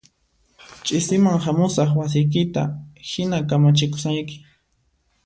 Ch'isiman hamusaq wasiykita hina kamachikusayki